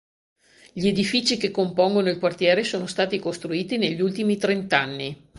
Gli edifici che compongono il quartiere sono stati costruiti negli ultimi trent'anni.